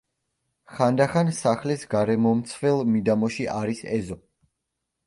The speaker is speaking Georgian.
ხანდახან სახლის გარემომცველ მიდამოში არის ეზო.